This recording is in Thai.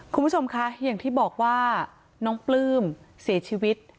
คุณผู้ชมคะอย่างที่บอกว่าน้องปลื้มเสียชีวิต